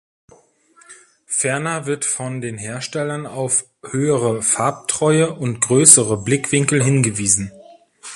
Ferner wird von den Herstellern auf höhere Farbtreue und größere Blickwinkel hingewiesen.